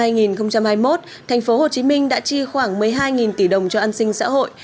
năm hai nghìn hai mươi một tp hcm đã chi khoảng một mươi hai tỷ đồng cho an sinh xã hội